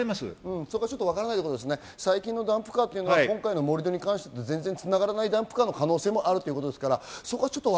最近のダンプカーは今回の盛り土に関して繋がらないダンプカーの可能性もあるということですね。